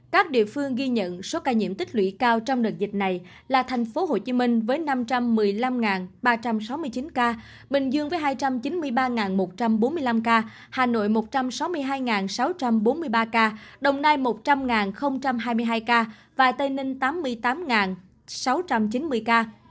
các địa phương ghi nhận số ca nhiễm tích lũy cao trong đợt dịch này là tp hcm với năm trăm một mươi năm ba trăm sáu mươi chín ca bình dương với hai trăm chín mươi ba một trăm bốn mươi năm ca hà nội một trăm sáu mươi hai sáu trăm bốn mươi ba ca đồng nai một trăm linh hai mươi hai ca và tây ninh tám mươi tám sáu trăm chín mươi ca